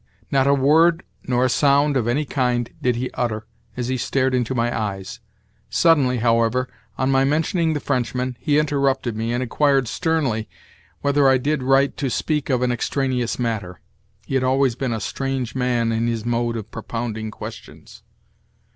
Not a word nor a sound of any kind did he utter as he stared into my eyes. Suddenly, however, on my mentioning the Frenchman, he interrupted me, and inquired sternly whether I did right to speak of an extraneous matter (he had always been a strange man in his mode of propounding questions).